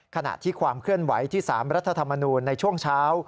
ขณะที่ความเคลื่อนไหวที่๓รัฐธรรมนูลในช่วงเช้า